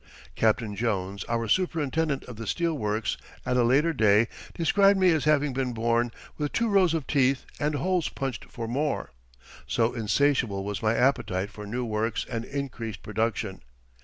Captain Jones, our superintendent of the steel works at a later day, described me as having been born "with two rows of teeth and holes punched for more," so insatiable was my appetite for new works and increased production.